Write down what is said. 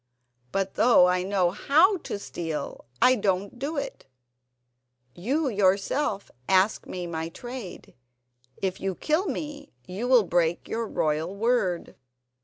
But though I know how to steal I don't do it. You yourself asked me my trade. If you kill me you will break your royal word."